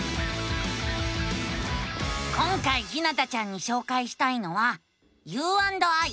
今回ひなたちゃんにしょうかいしたいのは「ｕ＆ｉ」。